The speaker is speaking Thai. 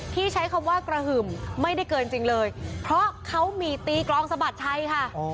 ที่ใช้คำว่ากระหึ่มไม่ได้เกินจริงเลยเพราะเขามีตีกลองสะบัดชัยค่ะ